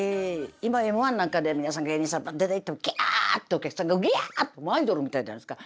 今「Ｍー１」なんかで皆さん芸人さん出ていっても「キャ」ってお客さんが「ウギャ」ってアイドルみたいじゃないですか。